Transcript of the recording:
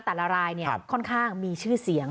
แต่ละรายค่อนข้างมีชื่อเสียง